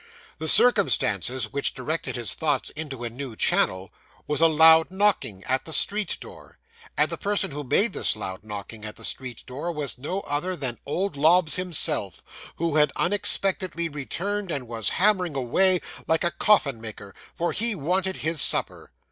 'The circumstance which directed his thoughts into a new channel was a loud knocking at the street door, and the person who made this loud knocking at the street door was no other than old Lobbs himself, who had unexpectedly returned, and was hammering away, like a coffin maker; for he wanted his supper.